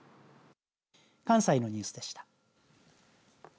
関西のニュースでした。